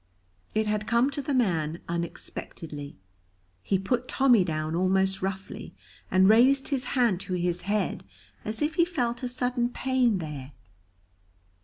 It had come to the man unexpectedly. He put Tommy down almost roughly, and raised his hand to his head as if he felt a sudden pain there.